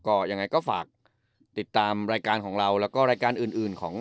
ก็ยังไงก็ฝากติดตามรายการของเราแล้วก็รายการอื่นของ